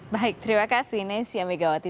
baik terima kasih nesya megawati